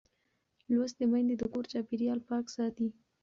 لوستې میندې د کور چاپېریال پاک ساتي.